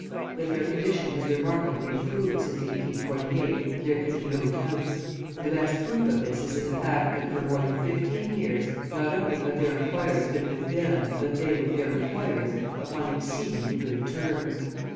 That their condition has remarkably improved since 1848 there can be no doubt, and the best proof of this is in the fact, that for more than fifteen years not only have their employers been with them, but they with their employers, upon exceedingly good terms.